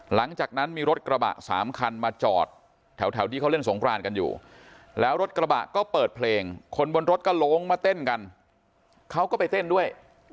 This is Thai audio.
หลังจากนั้นมีรถกระบะ๓คันมาจอดแถวที่เขาเล่นสงครานกันอยู่แล้วรถกระบะก็เปิดเพลงคนบนรถก็ลงมาเต้นกันเขาก็ไปเต้นด้วย